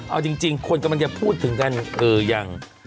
เอาจริงเค้ากำลังจะพูดถึงกันเออยัง